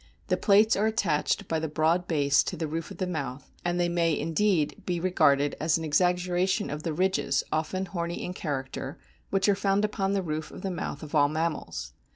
The plates are attached by the broad base to the roof of the mouth, and they may indeed be regarded as an exaggeration of the ridges, often horny in character, which are found upon the roof of the mouth of all mammals.